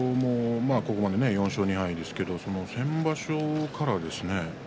ここまで４勝２敗ですけども先場所からはですね